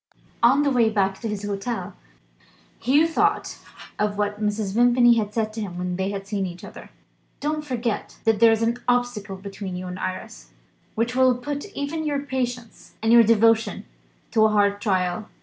On the way back to his hotel, Hugh thought of what Mrs. Vimpany had said to him when they had last seen each other: "Don't forget that there is an obstacle between you and Iris which will put even your patience and your devotion to a hard trial."